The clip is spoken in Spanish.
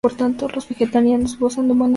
Por tanto, los vegetarianos gozan de buena salud.